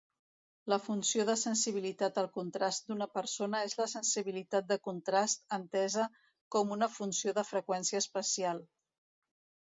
La funció de sensibilitat al contrast d'una persona és la sensibilitat de contrast entesa com una funció de freqüència espacial.